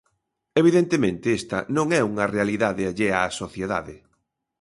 Evidentemente, esta non é unha realidade allea á sociedade.